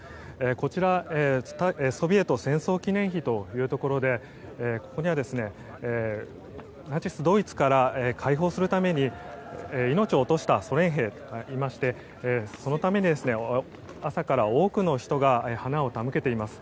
こちら、ソビエト戦争記念碑というところでここにはナチスドイツから解放するために命を落としたソ連兵がいましてそのために、朝から多くの人が花を手向けています。